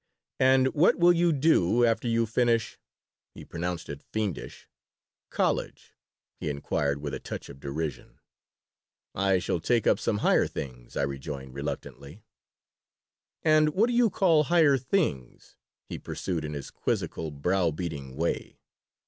"And what will you do after you finish (he pronounced it "fiendish") college?" he inquired, with a touch of derision "I shall take up some higher things," I rejoined, reluctantly "And what do you call 'higher things'?" he pursued in his quizzical, browbeating way.